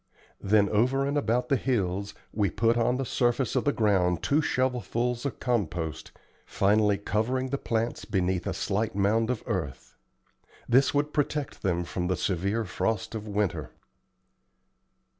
Then over and about the hills we put on the surface of the ground two shovelfuls of compost, finally covering the plants beneath a slight mound of earth. This would protect them from the severe frost of winter.